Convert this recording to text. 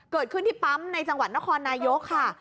เกิดขึ้นที่ปั๊มในจังหวัดนครนายกค่ะ